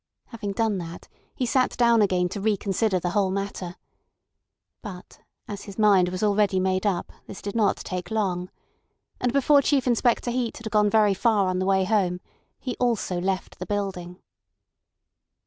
Having done that, he sat down again to reconsider the whole matter. But as his mind was already made up, this did not take long. And before Chief Inspector Heat had gone very far on the way home, he also left the building.